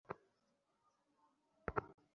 ও আমাকে বলেনি।